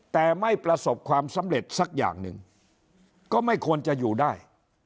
แต่ไม่ประสบความสำเร็จสักอย่างหนึ่งก็ไม่ควรจะอยู่ได้